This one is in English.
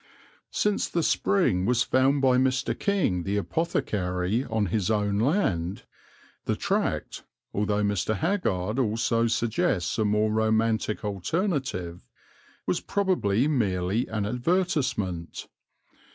Since the spring was found by Mr. King, the apothecary, on his own land, the tract, although Mr. Haggard also suggests a more romantic alternative, was probably merely an advertisement.